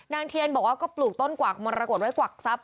เทียนบอกว่าก็ปลูกต้นกวักมรกฏไว้กวักทรัพย